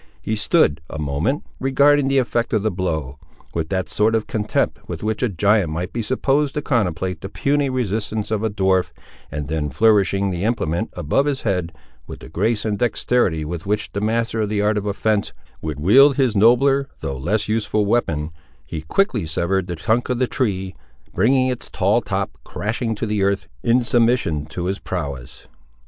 He stood, a moment, regarding the effect of the blow, with that sort of contempt with which a giant might be supposed to contemplate the puny resistance of a dwarf, and then flourishing the implement above his head, with the grace and dexterity with which a master of the art of offence would wield his nobler though less useful weapon, he quickly severed the trunk of the tree, bringing its tall top crashing to the earth in submission to his prowess.